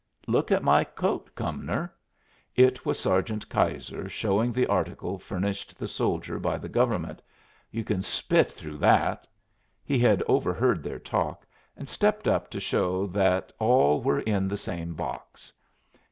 "Look at my coat, Cumnor." It was Sergeant Keyser showing the article furnished the soldier by the government. "You can spit through that." He had overheard their talk, and stepped up to show that all were in the same box.